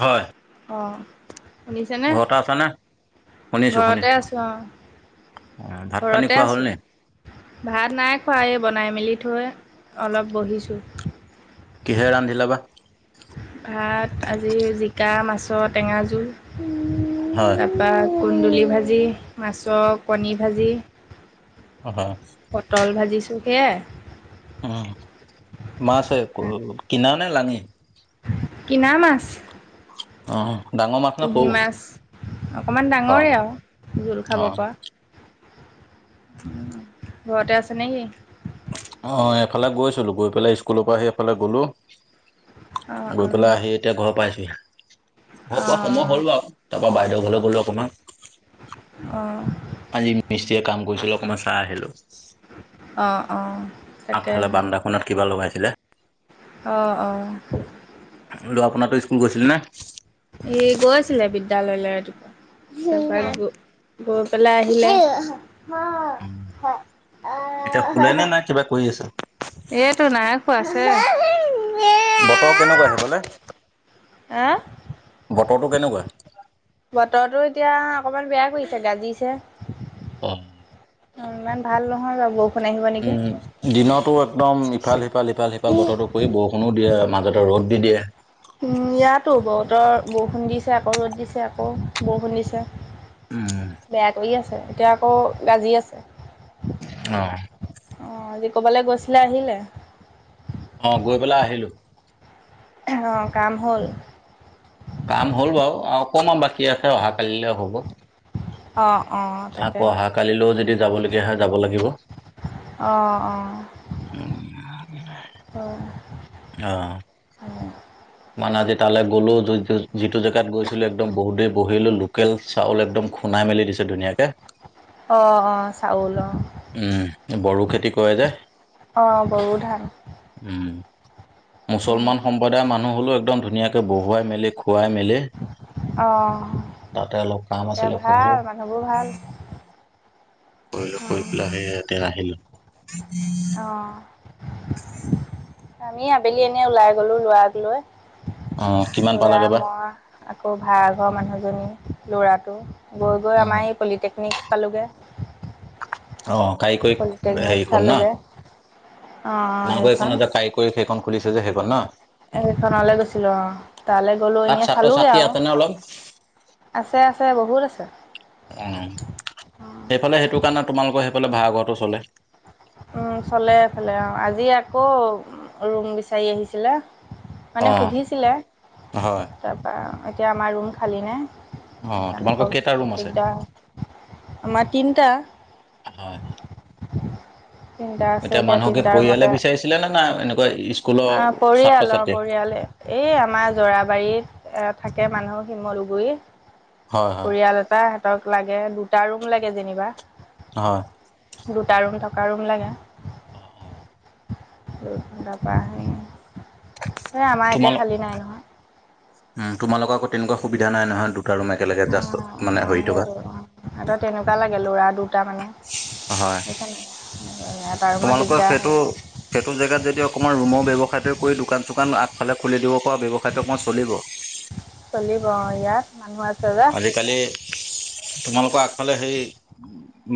হয়। অ', শুনিছেনে ঘৰতে আছানে? শুনিছোঁ শুনিছোঁ। ঘৰতে আছো অ'। ভাত পানী ঘৰতে খোৱা আছোঁ। হ'লনে? ভাত নাই খোৱ বনাই মেলি থৈ অলপ বহিছোঁ। কিহে ৰান্ধিলা বা? ভাত আজি জিকা মাছৰ টেঙা জোল। হয়, তাৰপাব কুন্দুলি ভাজি মাছৰ কণী ভাজি। অ'। পতল ভাজিছো সেয়াই। উম, মাছে কিনাও নে লাঙি? কিনা মাছ। অ', ডাঙৰ মাছ নে সৰু? অকমান ডাঙৰে অ', আৰু জোল খাব অ'। পৰা। ঘৰতে আছে নেকি? অ', এইফালে গৈছিলোঁ গৈ পেলাই স্কুলৰ পৰা আহি এফালে গ'লো অ', গৈ অ', পেলাই আহি এতিয়া ঘৰ পাইছোহি ঘৰ পোৱা সময় অ', হ'ল আৰু। তাৰপৰা বাইদেউৰ ঘৰলৈ গ'লো অকণমান। অ', আজি মিস্ত্ৰীয়ে কাম কৰিছিলে, অকমান চাই আহিলোঁ। অ', অ', তাকে আগফালে বান্দাখনত কিবা লগাইছিলে। অ', অ', ল'ৰা পোনাতো স্কুল গৈছিল নে? এ গৈছিলে বিদ্যালয়লৈ ৰাতিপুৱা। গৈ পেলাই আহিলে। এতিয়া শুলেনে নাই কিবা কৰি আছে? এইটো নাই শুৱা আছে। বতৰ কেনেকুৱা সেইফালে, হা বতৰটো কেনেকুৱা? বতৰটো এতিয়া অকমান বেয়া কৰিছে, গাজিছে। উম্। ইমান ভাল নহয় বাৰু বৰষুণ আহিব নেকি? উম, দিনতো একদম ইফাল সিফাল, ইফাল সিফাল বতৰটো কৰি বৰষুণো দিয়ে, মাজতে ৰ'দ দি দিয়ে। উম্, ইয়াতো বতৰ বৰষুণ দিছে, আকৌ ৰ'দ দিছে আকৌ বৰষুণ দিছে। উম, বেয়া কৰি আছে, এতিয়া আকৌ গাজি আছে। অ', অ', আজি ক'বালৈ গৈছিলে, আহিলে? অ', গৈ পেলাই আহিলোঁ। অ', কাম হ'ল? কাম হ'ল বাৰু, অকণমান বাকী আছে অহা কালিলে হ'ব। অ', অ', তাকেহে। কালিলেও যদি যাবলগীয়া হয়, যাব লাগিব। অ', অ', অ', হয় মানে আজি তালে গ'লো, য'ত যিটো জেগাত গৈছিলোঁ, একদম বহুত দেৰি বহি ললোঁ। লোকেল চাউল একদম খুন্দাই মেলি দিছে ধুনীয়াকে। অ', অ', চাউল অ'। উম্, বড়ো খেতি কৰে যে। অ', বড়ো ধান। উম্, অঁ মুছলমান সম্প্ৰদায়ৰ মানুহ। হ'লেও একদম ধুনীয়াকৈ বহুৱাই মেলি, খুৱাই মেলি। অঁ তাতে অলপ কাম তাকে আছিলে, ভাল কৰিলো। মানুহবোৰ ভাল কৰিলো, কৰি পেলাই অঁ সেই ইয়াতে আহিলোঁ। উম্, উম্। অ', আমি আবেলি এনেই ওলাই গলো ল'ৰাক লৈ। অ কিমান ল'ৰা পালাগে বা মই। আকৌ ভাড়াঘৰৰ মানুহজনী, ল'ৰাটো গৈ গৈ উম, আমাৰ এই পলিটেকনিক পালোঁগৈ। অ', কাৰি কৰ পলিটেকনিক হেৰি খন ন। চালোঁগৈ অঁ তোমালোকৰ এইখন এইখনত যে কাই কৰি সেইখন খুলিছে যে সেইখন ন। সেইখনলে গৈছিলোঁ অ', তালৈ গ'লো তাত এনেই ছাত্ৰ চালোগে ছাত্ৰী আৰু। আছে নে অলপ, আছে আছে বহুত আছে। অ', সেইফালে সেইটো কাৰণে তোমালোকৰ সেইফালে ভাড়াঘৰটো চলে। উম্, চলে এইফালে অ', আজি আকৌ ৰুম বিচাৰি আহিছিলে। অ মানে সুধিছিলে, হয় তাৰপৰা এতিয়া আমাৰ ৰুম খালী নাই। অ তোমালোকৰ কেইটা ৰুম সেইকাৰণে আছে দিগদাৰ, আমাৰ তিনিটা। অ', তিনিটা আছে এতিয়া মানুহক কি তিনিটা পৰিয়ালে বিচাৰিছিলে নে, নাই এনেকুৱা স্কুলৰ অহ, ছাত্ৰ পৰিয়ালৰ, ছাত্ৰী পৰিয়ালেই এই আমাৰ জৰাবাৰীত থাকে মানুহ শিমলুগুৰি হয় হয় পৰিয়াল এটা তাহঁতক লাগে দুটা ৰুম লাগে যেনিবা। হয়। দুটা ৰুম থকা ৰুম লাগে। অহ', অহ'। তাৰপৰা সেই আৰু। আমাৰ এতিয়া তোমালোক খালী নাই নহয়। উম, তোমালোক আকৌ তেনেকুৱা সুবিধা নাই নহয় দুটা ৰুম একেলগে জাষ্ট অ', মানে হৈ অ' থকা সেইটো অহ। তেহঁতক তেনেকুৱা লাগে ল'ৰা দুটা মানে হয় সেইকাৰে। [unintelligible] তোমালোকৰ সেইটো সেইটো জেগাত যদি অকণমান ৰুমৰ ব্যৱসায়টো কৰি, দোকান-চোকান আগফালে খুলি দিব পৰা ব্যৱসায়টো অকণমান চলিব। চলিব ইয়াত মানুহ আছে যে। আজকালি তোমালোকৰ আগফালে সেই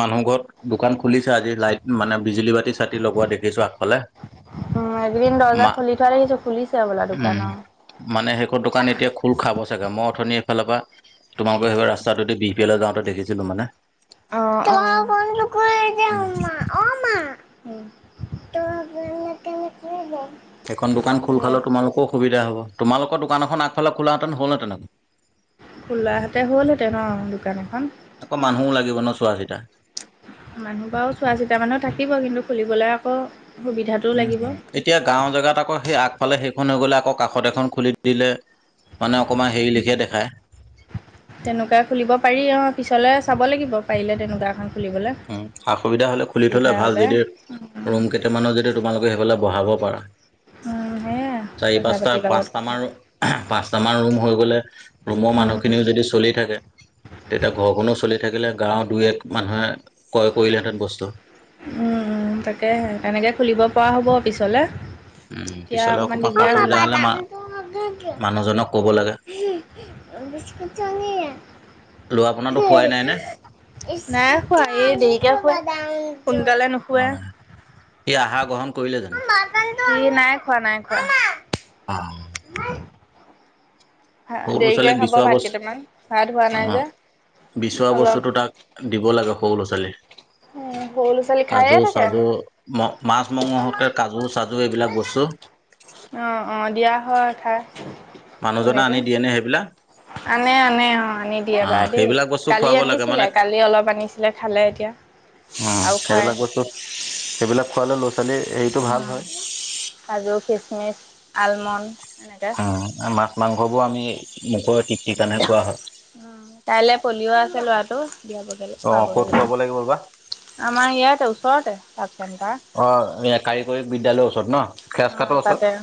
মানুহ ঘৰত দোকান খুলিছে, আজি লাইট মানে বিজুলী পাতি পাতি লগোৱা দেখিছোঁ আগফালে। উম, একেইদিন দৰ্জা মা খুলি থোৱা দেখিছ, খুলিছে বোলা উম দোকানৰ। মানে সেইখন দোকান এতিয়া খোল খাব চাগে, মই অথনি এইফালৰ পৰা তোমালোকৰ সেইফালৰ ৰাস্তাটো দি বি [unintelligible] যাওঁতে দেখিছিলোঁ মানে। অহ', অহ'। [unintelligible] অহ, মা [unintelligible] সেইখন দোকান খোল খালে তোমালোকৰ সুবিধা হ'ব, তোমালোকৰ দোকানখন আগফালে খোলহেতেন হ'লনে তেনেকৈ। খোলাহঁতে হ'লহেঁতেন অহ, দোকান এখন। আকৌ মানুহো লাগিব ন' চোৱা চিতা। মানুহ বাৰু চোৱা চিতা মানুহ থাকিব কিন্তু খুলিবলৈ আকৌ সুবিধাটো লাগিব উম, এতিয়া গাঁওৰ জেগাত আকৌ সেই আগফালে সেইখন হৈ গ'লে আকৌ কাষত এখন খুলি দিলে। মানে অকণমান হেৰি লেখিয়ে দেখায়। তেনেকুৱা খুলিব পাৰি অহ, পিছলে চাব লাগিব পাৰিলে তেনেকুৱা এখন। খুলিবলৈ উম, অসুবিধা হ'লে খুলি থলে সুবিধা ভাল হ'লে যদি ৰুম কেই কেইটামানো যদি তোমালোকে সেইফালে বঢ়াব পাৰা। উম। সেয়াই চাৰি পইচা পাঁচটা পাতিৰ লগত কথা পাঁচটামান, পাঁচটামান ৰুম হৈ গ'লে। ৰুমৰ উম মানুহখিনিও যদি চলি থাকে। তেতিয়া ঘৰখনো চলি থাকিলে, গাঁৱৰ দুই এক মানুহে ক্ৰয় কৰিলেহেঁতেন বস্তু। উম', উম' তাকেহে। তেনেকৈ খুলিব পৰা হ'ব পিছলে। উম, এতিয়া পিছলৈ অকমান অকণমান দিকদাৰ। অহ, সা-সুবিধা হ'লে মা মানুহজনক ক'ব লাগে [unintelligible] [unintelligible] ল'ৰা আপোনাৰতো শুৱাই নাই নে? শুৱা এই দেৰিকে শুৱে, সোনকালে নুশু অহ, কি আহাৰ গ্ৰহণ কৰিলে জানোঁ। সি নাই খোৱা নাই খোৱা। অহ। সৰু দেৰিকে ছোৱালীক খাব বিচৰা ভাত বস্তু কেইটামান ভাত হোৱা নাই অহ, যে বিচৰা অলপ বস্তুটো তাক দিব লাগে সৰু ল'ৰা-ছোৱালী। উম, সৰু ল'ৰা-ছোৱালী খাইয়ে থাকে। মা-মাছ মংসতকে কাজু-চাজু এইবিলাক বস্তু অহ', অহ, দিয়া হয় খায়। মানুহজনে আনি দিয়ে নে সেইবিলাক? আনে আনে অহ, আনি দিয়ে অ' বাৰু দেই। সেইবিলাক বস্তু কালি খুৱাব লাগে আনিছিলে মানে কালি অলপ আনিছিলে, খালে এতিয়া অ' আৰু খাই। সেইবিলাক বস্তু সেইবিলাক খোৱালে ল'ৰা-ছোৱালীৰ হেৰিটো ভাল হয়। কাজু খচমিচ আলমণ্ড এনেকে উ মাছ মাংসবোৰ আমি মুোকৰে ঠিক্ত কাৰণেহে কোৱা হয় উ কাইলে পলিঅ' আছে লৰাটো দিয়াব অ' ক'ত খোৱাবগ খুৱাব লাগিব বা আমাৰ ইয়াতে ওচৰতে তাক অ এই কাৰিকৰী বিদ্যয়ালয়ৰ ওচৰত ন ফেচ খাতৰ ওচৰত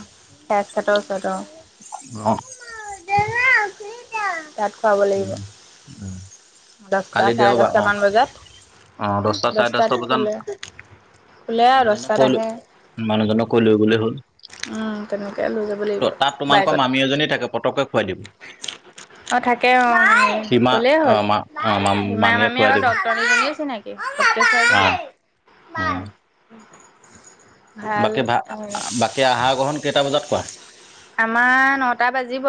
কেছ খাটাও চত অ তাত খুৱাব লাগিব দহটা কালি চাৰে দেওবাৰ অ' দহটামান অ' বজাত দহটা চাৰে দহটা দস্তাত বজাত খুলে খোলে আৰু মানুহজনক কৈ দস্তাত লৈ আহে মানুহজনক কৈ লৈ গলে হ'ল উম তেনেকয় লৈ যাব লাগিব ত তাত তোমালোকৰ বাইকত মামী এজনী থাকে পতককে খুৱাই দিব অ থাকে অ সীমা ক'লেই হ'ল অ' মা অ' মা ইমান মামীয়ে আমি খুৱাই আকৌ দ দিব তনী জনাইছে নেকি অ উম উম বাকী ভ বাকী আহাৰ গ্ৰহণ কেইটা বজাত কোৱা আমাৰ নটা বাজিব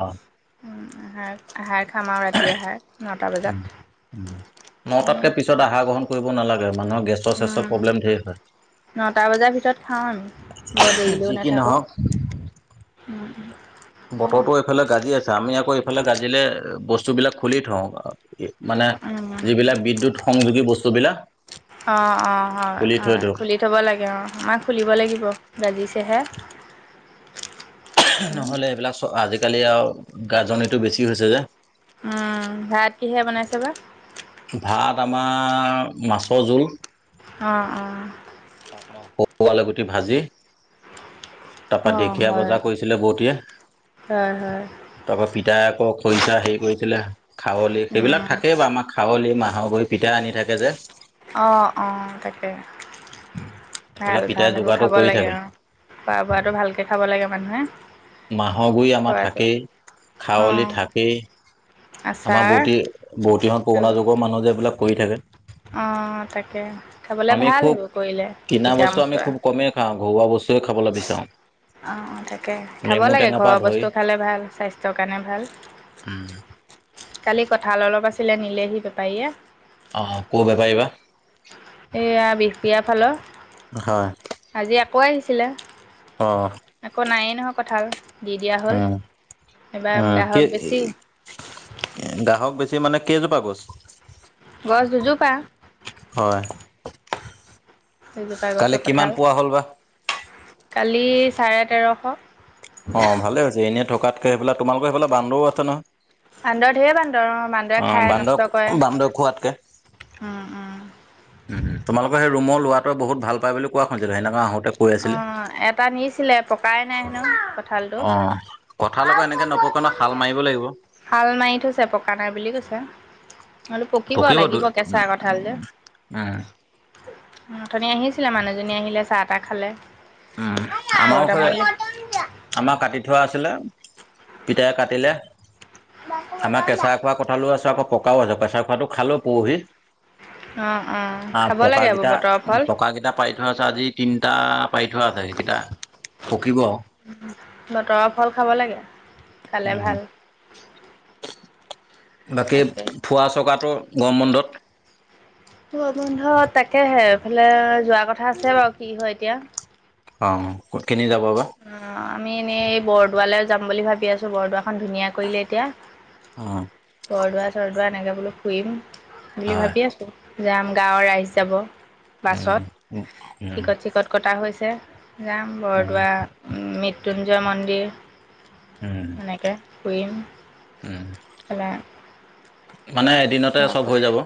অ' আহাৰ খাম আৰু ৰাতি আহাৰ নটা বজাত স ত আহা গ্ৰহণ নালাগে মানুহৰ গেছৰ চেছৰ উম প্ৰব্লেম ধ হয় নটা বজাৰ ভিতৰত খাওঁ আমি বৰ দেৰিলেও যি কি নাথাকোঁ নহওক বতৰটো এইফালে গাজি আছে আমি আকৌ এইফালে গাজিলে বস্তু বিলাক খুলি থওঁ মানে যিবিলাক বিদ্যুৎ সংযোগী বস্তুবলাক অ অ হয় হয় খুলি থব লাগে মমাক খুলিব লাগিব বাজিছেহে নহ'লে এইবিলাক চ আজিকালি আৰু গাজন এইটো বেছি হৈছে যে উ ভাত কিহে বনাইছে বা ভাত আমাৰ মাছৰ জোল অ অ তাৰপ সৰু আলুগুটি ভাজি অ', তাৰপা ঢেখীয়া হয়, বজা কৰিছিলে বৌতীয়ে হয়, হয়, তাৰপৰা পিতাই আকৌ খৰিচা হেৰি কৰিছিলে খাৱলি সেইবিলাক উম, থাকেই বাৰু আমাক কলি মাহৰ গুৰি পিঠা আনি থাকে যে। অ, অ, তাকে সেইবিলাক পিতাই ভাল-ভাল এইবোৰ যোগাৰটো খাব কৰি লাগে থাকে আৰু। খোৱা বোৱাটো ভালকে খাব লাগে মানুহে। মাহৰ গুৰি আমাৰ খোৱাটো থাকেই খাৱলি অ', থাকেই। আমাৰ আচাৰ বৌটি বৌটিহত কৰোণা এইবোৰ যুগৰ মানুহ যে এইবিলাক কৰি থাকে। অ', তাকে খাবলৈ আমি ভাল খুব সেইবোৰ কৰিলে পিতিকা মূচুৱা। আ ঘৰুৱা বস্তুৱে খাবলৈ বিচাৰো। অ', তাকে খাব নেমু লাগে টেঙাৰ পৰা ঘৰৰ ধৰি বস্তু খালে ভাল। স্বাস্থ্যৰ কাৰণে ভাল। উম। কালি কঁঠাল অলপ আছিলে, নিলেহি বেপাৰীয়ে। অ', ক'ৰ বেপাৰী বা? এইয়া বিহ বিয়াৰ ফালৰ। হয়। আজি আকৌ আহিছিলে। অ', আকৌ নায়েই নহয় কঁঠাল। দি দিয়া হ'ল, উম অ এইবাৰ কি গ্ৰাহক বেছি। গ্ৰাহক বেছি মানে কেইজোপা গছ? গছ দুজোপা। হয়। দুজোপা কালি গছৰ কিমান কঁঠাল পোৱা হ'ল বা? কালি চাৰে তেৰশ। অ', ভালে হৈছে এনেই থকাতকে এইবিলক। তোমালোকৰ সেইফালে বান্দৰো আছে নহয়? বান্দৰ, ধেৰ বান্দৰ। অ', মা অ, বান্দৰ, বান্দৰ খোৱাতকে উম, উম। উম, উম। তোমালোকৰ সেই ৰুমৰ ল'ৰাটোৱে বহুত ভাল পায় বুলি কোৱা শুনিছিলো, সেইদিনাখন আহো অ', এটা নিছিলে পকাই নাই হেনো কঁঠালটো। অ কঁঠাল আকৌ এনেকে নপকে ন শাল মাৰিব লাগিব শাল মাৰি থৈছে, পকা নাই বুলি কৈছে। মই বোলো পকিব লাগিব, কেঁচা কঠাল যে। উম, অথনি আহিছিলে মানুহজনী আহিলে, চাহ-তাহ খালে। উম। আমাৰো ঘৰতে খুৰে বনিলে আমাৰ কাটি থোৱা আছিলে। পিতাই কাটিলে। আমাৰ কেঁচাই খোৱা কঁঠালো আছে, আকৌ পকাও আছে। কেঁচাই খোৱাটো খালো, পৰহি। অ অ আ, খাব লাগে এইবোৰ পকাকিটা, বতৰৰ ফল পকাকিটা পাৰি তাৰপিছত আজি তিনিটা পাৰি থোৱা আছে, সেইকেইটা পকিব আৰু। বতৰ ফল খাব লাগে। খালে উম ভাল। বাকী তাকে ফোৱা-চকাটো গৰম বন্ধত? গৰম বন্ধত তাকেহে, এইফালে যোৱা কথা আছে বাৰু! কি হয় এতিয়া। অ', ক'ত কেনি যাব বা? অ', আমি এনেই এই বৰদোৱালৈ যাম বুলি ভাবি আছো। বৰদোৱাখন ধুনীয়া কৰিলে এতিয়া। অ বৰদোৱা-চৰদোৱা এনেকৈ বোলো ফুৰিম। বুলি হয় ভাবি আছোঁ, যাম। গাঁৱৰ ৰাইজ যাব। উম বাছত, উম উম টিকট-চিকট কটা হৈছে। যাম বৰদোৱা, মৃত্যুঞ্জয় মন্দিৰ। উম এনেকে ফুৰিম। উম। মানে এদিনতে মই চব আকৌ হৈ যাব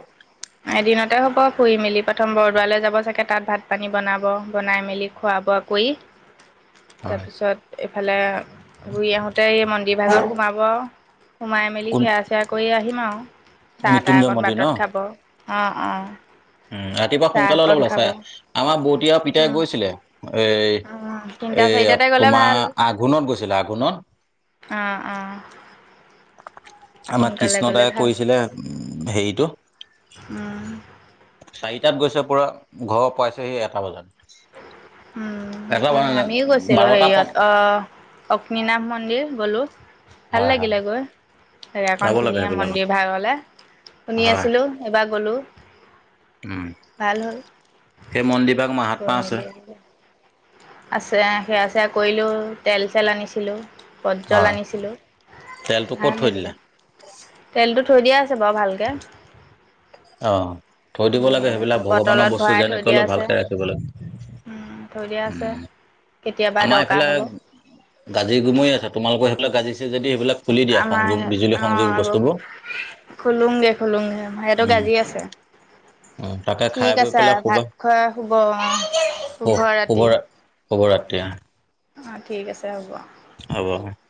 এদিনতে হ'ব ফুৰি মেলি। প্ৰথম বৰদোৱালৈ যাব চাগে! তাত ভাত-পানী বনাব। বনাই মেলি খোৱা-বোৱা কৰি হয় তাৰপিছত এইফালে ঘূৰি আহোতে এই মন বিভাগত সোমাব। সোমাই মেলি কোন সেৱা-চেৱা কৰি আহিম আৰু। চাহ-তাহ মৃত্যুঞ্জয় অকণ মন্দিৰ বাটত খাব। অ', অ। উ ৰাতিপুৱা সোনকালে ওলাব [unintelligible] আমাৰ বৌতি আৰু পিতাই উম গৈছিলে। এই, উম তিনিটা এইয়া চাৰিটাতে গ'লে ভাল তোমাৰ আঘোণত গৈছিলে, আঘোণত। অ', অ'। আমাক গ'লে কৃষ্ণদাই ভাল কৈছিলে, উ, হেৰিটো। উম চাৰিটাত গৈছে পোৰা ঘৰ পাইছেহি এটা বজাত। উম, এটা আমি গৈছিলোঁ বাৰটা প হেৰিয়ত, অহ, অগ্নীনাভ মন্দিৰ গ'লো। ভাল হয় হয় লাগিলে গৈ। জেগাখন যাব লাগে ধুনীয়া, সেইবিলাকত মন্দিৰ ভাগলে শুনি হয় আছিলোঁ, এইবাৰ গ'লোঁ। উম ভাল হ'ল। সেই মন্দিৰভাগ গৈ মাহাত্মা মেলি আছে। আহিলোঁ আছে, সেৱা-চেয়া কৰিলোঁ, তেল চেল আনিছিলোঁ। পটজল আনিছিলোঁ, তেলটো ক'ত ভাল থৈ দিলে এইবিলাক। তেলটো থৈ দিয়া আছে বাৰু ভালকে। অহ, থৈ দিব লাগে সেইবিলাক ভগৱানৰ বটলত বস্তু ভৰাই থৈ যেনেকৈ হ দিয়া লেও আছে ভালকে ৰাখিব লাগে। থৈ দিয়া আছে। উম কেতিয়াবা আমাৰ এইফালে দৰকাৰ হ'ব। গাজি গুমৰি আছে। তোমালোকৰ সেইফালে গাজিছে যদি সেইবিলাক খুলি দিয়া, আমাৰ সংযোগ, বিজুলী সংযোগ বস্তুবোৰ। খুলোংগে, খুলুংগে আমাৰ ইয়াতো উম গাজি আছে। উম তাকে খাই ঠিক বৈ আছে পেলাই ভাত শুবা খোৱাই শুব অ', শুভ ৰাতি। শুভৰাত্ৰি য়ে। অ', ঠিক আছে হ'ব। হ'ব।